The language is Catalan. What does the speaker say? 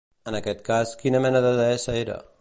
I en aquest cas, quina mena de deessa era?